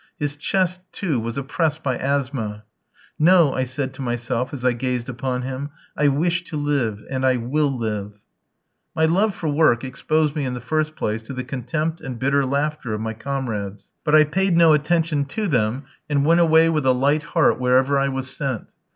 His chest, too, was oppressed by asthma. "No," I said to myself, as I gazed upon him; "I wish to live, and I will live." My love for work exposed me in the first place to the contempt and bitter laughter of my comrades; but I paid no attention to them, and went away with a light heart wherever I was sent.